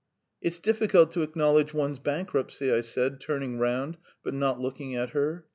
"It's difficult to acknowledge one's bankruptcy," I said, turning round, but not looking at her.